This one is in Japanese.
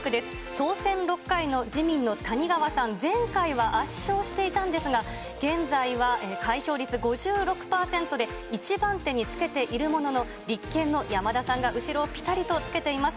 当選６回の自民の谷川さん、前回は圧勝していたんですが、現在は開票率５６％で、１番手につけているものの、立憲の山田さんが後ろをぴたりとつけています。